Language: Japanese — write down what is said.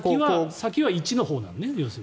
先は１のほうなのね。